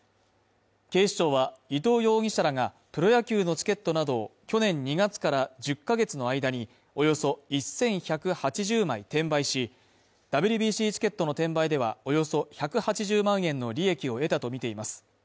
警視庁は伊藤容疑者が、プロ野球のチケットなどを去年２月から１０か月の間におよそ１１８０枚転売し、ＷＢＣチケットの転売では、およそ１８０万円の利益を得たとみています。